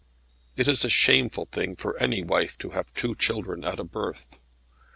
It is a shameful thing for any wife to have two children at a birth.